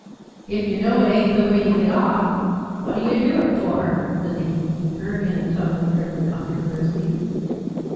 "If you know it ain't the way to get off whaddyer do it for?" said the heath keeper, in a tone of friendly controversy.